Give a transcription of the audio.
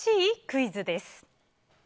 クイズです。